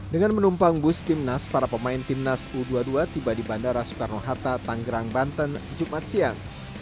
dengan menumpang bus timnas para pemain timnas u dua puluh dua tiba di bandara soekarno hatta tanggerang banten jumat siang